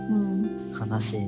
悲しい？